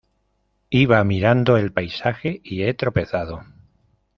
Iba mirando el paisaje y he tropezado.